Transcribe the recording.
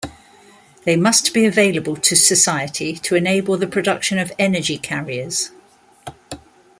They must be available to society to enable the production of energy carriers.